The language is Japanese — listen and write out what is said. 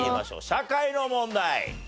社会の問題。